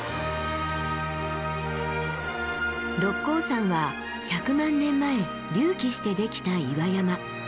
六甲山は１００万年前隆起してできた岩山。